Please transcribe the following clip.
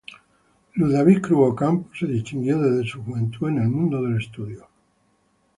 Luis David Cruz Ocampo se distinguió desde su juventud en el mundo del estudio.